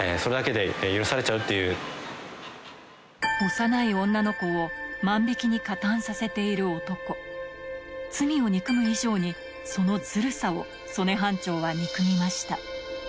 幼い女の子を万引きに加担させている男罪を憎む以上にそのずるさを曽根班長は憎みました